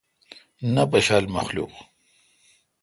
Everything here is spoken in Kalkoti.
نہ پشا ل مخلوق۔